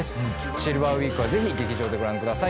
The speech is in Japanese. シルバーウイークはぜひ劇場でご覧ください。